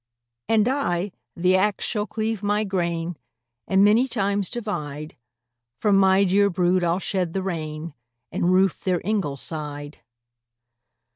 "And I the ax shall cleave my grain, And many times divide; From my dear brood I'll shed the rain, And roof their ingleside."